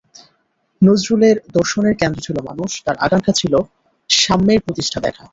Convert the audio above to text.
নজরুলের দর্শনের কেন্দ্রে ছিল মানুষ, তাঁর আকাঙ্ক্ষা ছিল সাম্যের প্রতিষ্ঠা দেখা।